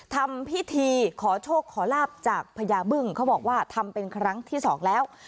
ทำพิธีขอโชคขอลาบจากพญาบึ้งเขาบอกว่าทำเป็นครั้งที่สองแล้ว